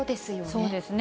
そうですね。